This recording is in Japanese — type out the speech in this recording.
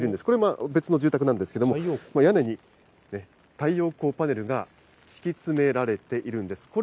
これ、別の住宅なんですけれども、屋根に太陽光パネルが敷き詰められているんです。